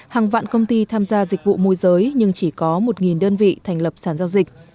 hàng vạn công ty tham gia dịch vụ môi giới nhưng chỉ có một đơn vị thành lập sản giao dịch